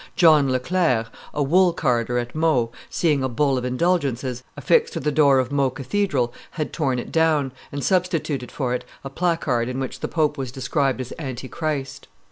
John Leclerc, a wool carder at Meaux, seeing a bull of indulgences affixed to the door of Meaux cathedral, had torn it down, and substituted for it a placard in which the pope was described as Antichrist.